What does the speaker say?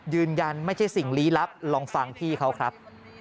ยืนยันไม่ใช่สิ่งลี้ลับลองฟังพี่เขาครับ